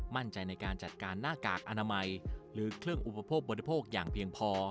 มั่นใจในการจัดการหน้ากากอนามัยหรือเครื่องอุปโภคบริโภคอย่างเพียงพอ